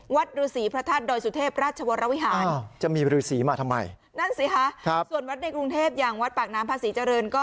ฤษีพระธาตุดอยสุเทพราชวรวิหารจะมีฤษีมาทำไมนั่นสิคะครับส่วนวัดในกรุงเทพอย่างวัดปากน้ำพระศรีเจริญก็